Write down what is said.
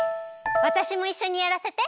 わたしもいっしょにやらせて！